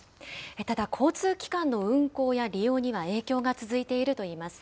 ただ交通機関の運行や利用には影響が続いているといいます。